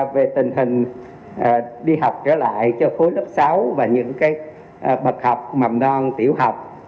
về tình hình đi học trở lại cho khối lớp sáu và những bậc học mầm non tiểu học